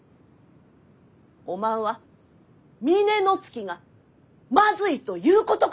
おまんは峰乃月がまずいということか！？